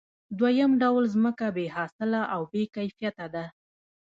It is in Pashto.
دویم ډول ځمکه بې حاصله او بې کیفیته ده